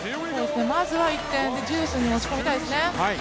まずは１点、デュースに持ち込みたいですね。